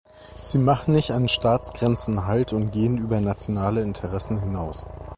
Sie machen nicht an Staatsgrenzen Halt und gehen über nationale Interessen hinaus.